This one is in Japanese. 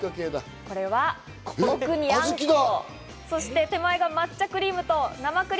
これは、奥にあんこと手前が抹茶クリーム。